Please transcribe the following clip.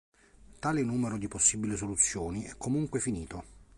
Tale numero di possibili soluzioni è comunque "finito".